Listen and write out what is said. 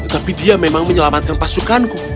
tapi dia memang menyelamatkan pasukanku